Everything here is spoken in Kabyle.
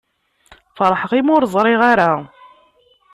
Feṛḥeɣ imi ur ẓṛiɣ ara.